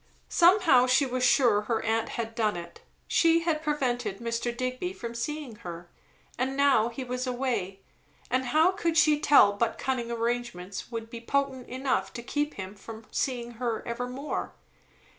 Somehow, she was sure, her aunt had done it; she had prevented Mr. Digby from seeing her; and now he was away, and how could she tell but cunning arrangements would be potent enough to keep him from seeing her evermore?